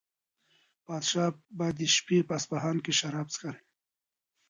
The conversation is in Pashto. پادشاه به د شپې په اصفهان کې شراب څښل.